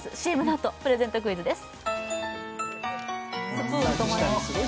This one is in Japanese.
ＣＭのあとプレゼントクイズです